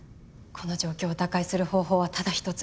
この状況を打開する方法はただ一つ。